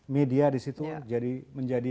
media di situ jadi menjadi